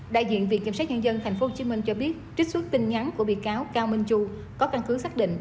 đại diện viện kiểm sát nhân dân tp hcm cho biết trích xuất tin nhắn của bị cáo cao minh chu có căn cứ xác định